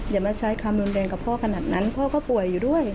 อย่ามาใช้คำรุนแรงกับพ่อขนาดนั้นพ่อก็ป่วยอยู่ด้วย